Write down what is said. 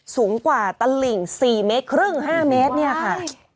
สูงกว่าตะหลิ่ง๔๕๕แมตรเนี่ยค่ะ